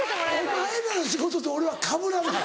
お前らの仕事と俺はかぶらない。